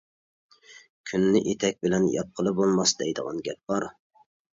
كۈننى ئېتەك بىلەن ياپقىلى بولماس دەيدىغان گەپ بار.